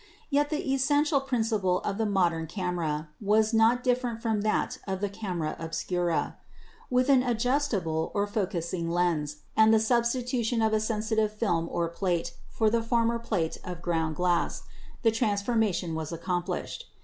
Yet the essential principle of the modern camera was not different from that of the camera obscura. With an ad justable or focusing lens and the* substitution of a sensitive film or plate for the former plate of ground glass, the transformation was accomplished.